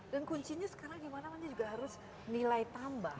dan kuncinya sekarang gimana mana juga harus nilai tambah